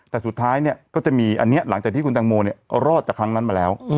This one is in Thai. แต่สุดท้ายเนี่ยก็จะมีอันนี้หลังจากที่คุณแตงโมรอดจากครั้งนั้นมาแล้ว